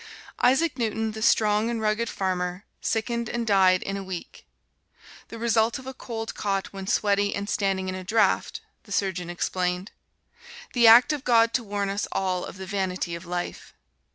Isaac Newton, the strong and rugged farmer, sickened and died in a week. "The result of a cold caught when sweaty and standing in a draft," the surgeon explained. "The act of God to warn us all of the vanity of life."